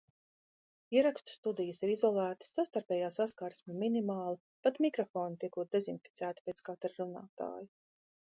Ierakstu studijas ir izolētas, savstarpējā saskarsme minimāla, pat mikrofoni tiekot dezinficēti pēc katra runātāja.